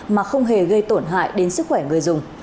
mà không hề gây tổn hại đến sức khỏe người dùng